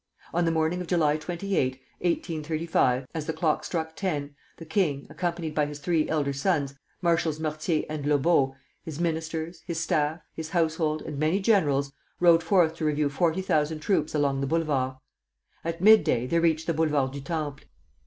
On the morning of July 28, 1835, as the clock struck ten, the king, accompanied by his three elder sons, Marshals Mortier and Lobeau, his ministers, his staff, his household, and many generals, rode forth to review forty thousand troops along the Boulevards. At midday they reached the Boulevard du Temple.